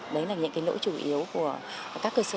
đấy là những lỗi chủ yếu của các cơ sở